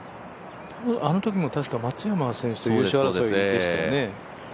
あのときも確か松山選手と優勝争いでしたよね。